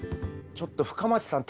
ちょっと深町さん